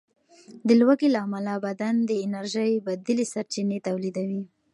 د لوږې له امله بدن د انرژۍ بدیلې سرچینې تولیدوي.